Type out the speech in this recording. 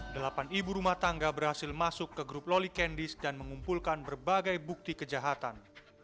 delapan ibu rumah tangga berhasil masuk ke grup loli candis dan mengumpulkan berbagai bukti kejahatan